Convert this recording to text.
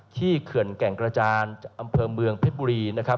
ที่เขื่อนแก่งกระจานอำเภอเมืองเพชรบุรี